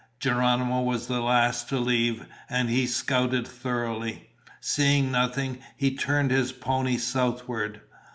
Geronimo was the last to leave, and he scouted thoroughly. Seeing nothing, he turned his pony southward.